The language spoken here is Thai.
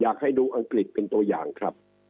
อยากให้ดูอังกฤษเป็นตัวอย่างครับ